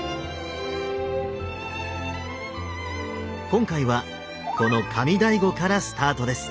今回はこの上醍醐からスタートです。